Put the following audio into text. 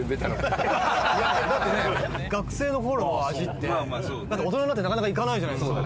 だってね学生の頃の味って大人になってなかなか行かないじゃないですか。